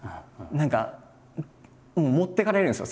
何か持っていかれるんですよ